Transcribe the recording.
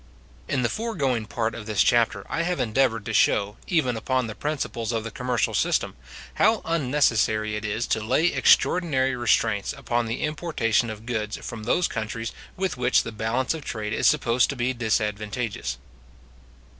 In the foregoing part of this chapter, I have endeavoured to show, even upon the principles of the commercial system, how unnecessary it is to lay extraordinary restraints upon the importation of goods from those countries with which the balance of trade is supposed to be disadvantageous.